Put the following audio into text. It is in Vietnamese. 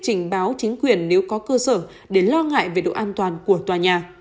trình báo chính quyền nếu có cơ sở để lo ngại về độ an toàn của tòa nhà